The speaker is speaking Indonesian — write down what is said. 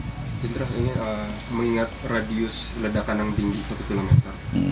jendral ini mengingat radius ledakan yang diberikan